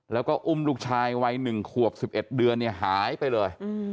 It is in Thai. แล้วก็อุ้มลูกชายวัย๑ขวบ๑๑เดือนหายไปเลย